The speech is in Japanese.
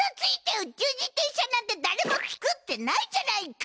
宇宙自転車なんてだれも作ってないじゃないか！